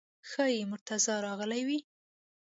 ښایي مرتضی راغلی وي.